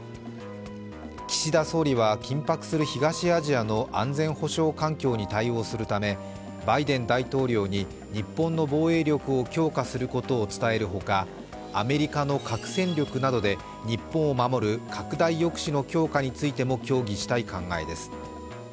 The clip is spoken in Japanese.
岸田総理は、緊迫する東アジアの安全保障環境に対応するためバイデン大統領に日本に防衛力を強化することを伝えるほか、アメリカの核戦力などで日本を守る、拡大抑止の強化についても協議したい考えです。